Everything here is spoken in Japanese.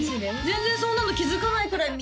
全然そんなの気づかないぐらい